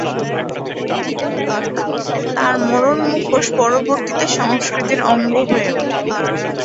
তার মরণ-মুখোশ পরবর্তীতে সংস্কৃতির অঙ্গ হয়ে উঠে।